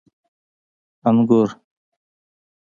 🍇 انګور